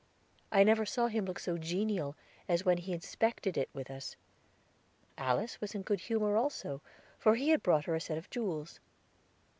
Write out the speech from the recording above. I never saw him look so genial as when he inspected it with us. Alice was in good humor, also, for he had brought her a set of jewels.